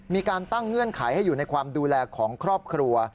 มีการตั้งเงื่อนไขให้อยู่ในความดูแลของครอบครัว